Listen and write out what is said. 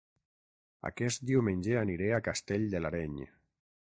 Aquest diumenge aniré a Castell de l'Areny